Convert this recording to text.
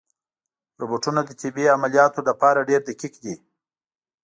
روبوټونه د طبي عملیاتو لپاره ډېر دقیق دي.